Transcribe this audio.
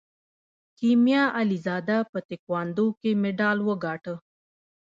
کیمیا علیزاده په تکواندو کې مډال وګاټه.